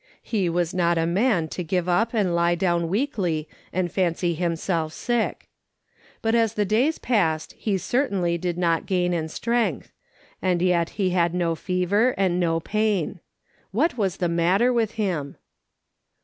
He was not a man to give up and lie down weakly and fancy himself sick. But as the days passed, he certainly did not gain in strength ; and yet he had no fever and no pain. What was the matter with him